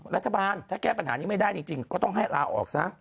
รัฐบาลถ้าแก้ปัญหานี้ไม่ได้จริงก็ต้องให้ลาออกซะ